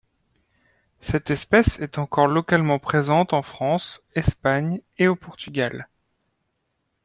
Cette espèce est encore localement présente en France, Espagne et au Portugal.